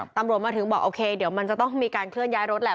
ตำรวจมาถึงบอกโอเคเดี๋ยวมันจะต้องมีการเคลื่อนย้ายรถแหละ